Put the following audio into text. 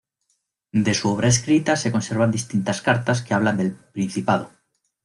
De su obra escrita se conservan distintas cartas que hablan del "Principado".